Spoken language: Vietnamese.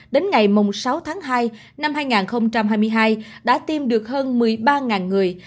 đến ngày sáu tháng hai năm hai nghìn hai mươi hai đã tiêm được hơn một mươi ba người